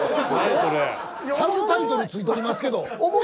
サブタイトルついとりますけど。